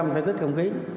một mươi thể tích không khí